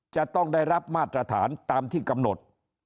จะต้องได้รับมาตรฐานตามที่กำหนด